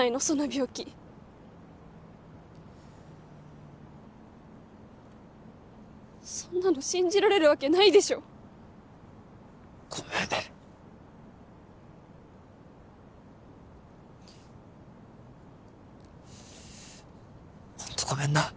その病気そんなの信じられるわけないでしょごめん